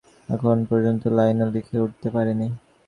আমি এখন পর্যন্ত একটি লাইনও লিখে উঠতে পারিনি।